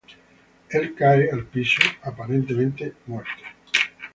Él cae al piso, aparentemente muerto.